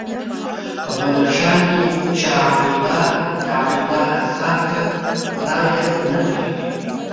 په بدخشان کې شاه عبدالله د عبدالله انحصار ته رایې نه پرېږدي.